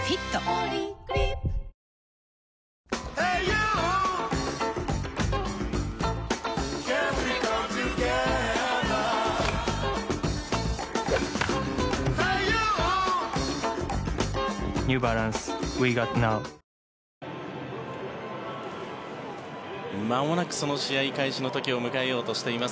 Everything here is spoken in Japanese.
ポリグリップまもなく試合開始の時を迎えようとしています